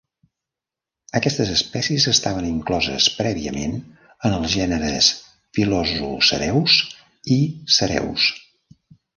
Aquestes espècies estaven incloses prèviament en els gèneres "Pilosocereus" i "Cereus".